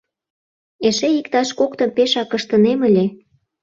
Эше иктаж коктым пешак ыштынем ыле.